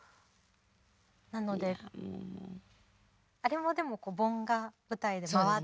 なのであれもでも盆が舞台で回って。